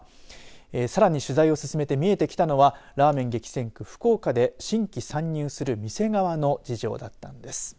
さらに取材を進めて見えてきたのはラーメン激戦区福岡で新規参入する店側の事情だったんです。